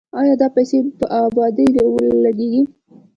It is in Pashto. آیا دا پیسې په ابادۍ لګیږي؟